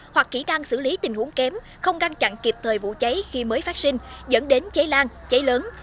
hoặc kỹ năng xử lý tình huống kém không ngăn chặn kịp thời vụ cháy khi mới phát sinh dẫn đến cháy lan cháy lớn